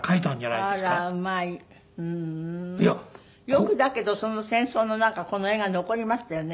よくだけどその戦争の中この絵が残りましたよね。